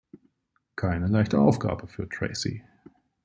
Keine leichte Aufgabe für Tracy.